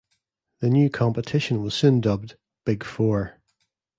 The new competition was soon dubbed the "Big Four".